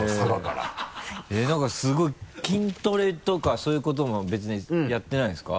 何かすごい筋トレとかそういうことも別にやってないんですか？